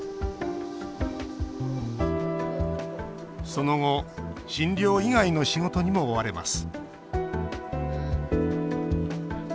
その後診療以外の仕事にも追われます